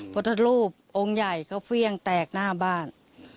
พอถ้ารูปองค์ใหญ่เค้าเฟี้ยงแตกหน้าบ้าน